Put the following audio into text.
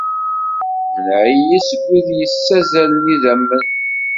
Mneɛ-iyi seg wid yessazzalen idammen.